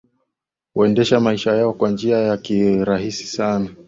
Huendesha maisha yao kwa njia ya kirahisi sana